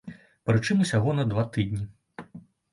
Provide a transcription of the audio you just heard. Прычым усяго на два тыдні.